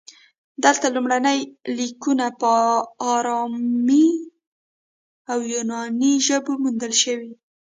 دلته لومړني لیکونه په ارامي او یوناني ژبو موندل شوي